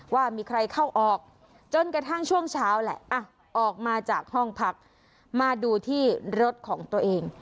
ว่ามีใครเข้าออกจนกระทั่งช่วงเช้าแหละออกมาจากห้องพักมาดูที่รถของตัวเอง